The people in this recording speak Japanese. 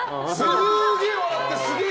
すげえ笑ってすげえ○！